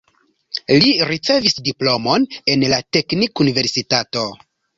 Li ricevis diplomon en la teknikuniversitato.